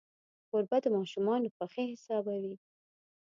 کوربه د ماشومانو خوښي حسابوي.